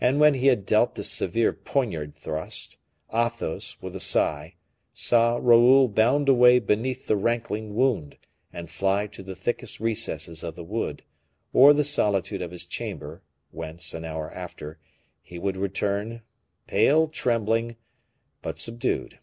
And when he had dealt this severe poniard thrust, Athos, with a sigh, saw Raoul bound away beneath the rankling wound, and fly to the thickest recesses of the wood, or the solitude of his chamber, whence, an hour after, he would return, pale, trembling, but subdued.